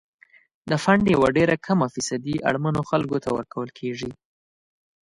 د فنډ یوه ډیره کمه فیصدي اړمنو خلکو ته ورکول کیږي.